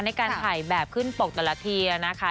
ในการถ่ายแบบขึ้นปกแต่ละทีนะคะ